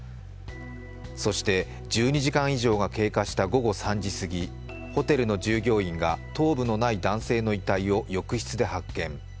そして１２時間以上が経過した午後３時すぎ、ホテルの従業員が頭部のない男性の遺体を浴室で発見。